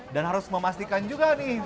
dan harus memastikan juga nih